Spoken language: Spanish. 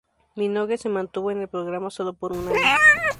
Minogue se mantuvo en el programa sólo por un año.